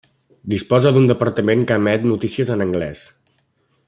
Disposa d'un departament que emet notícies en anglès.